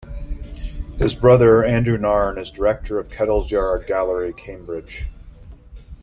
His brother, Andrew Nairne, is Director of Kettle's Yard Gallery, Cambridge.